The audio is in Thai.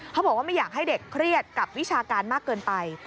บอกว่าไม่อยากให้เด็กเครียดกับวิชาการมากเกินไป